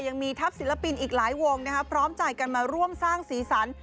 ยังมีทัพศิลปินอีกหลายวงพร้อมใจกันมาร่วมสร้างสีสัน